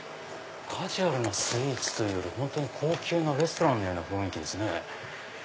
カジュアルなスイーツというより高級なレストランのような雰囲気ですね。